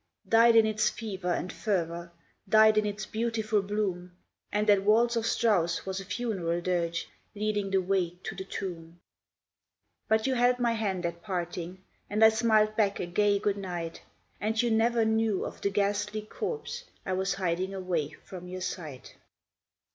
Died in its fever and fervour, Died in its beautiful bloom; And that waltz of Strauss was a funeral dirge, Leading the way to the tomb. But you held my hand at parting, And I smiled back a gay good night; And you never knew of the ghastly corpse I was hiding away from your sight.